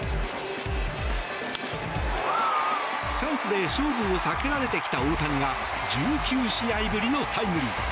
チャンスで勝負を避けられてきた大谷が１９試合ぶりのタイムリー。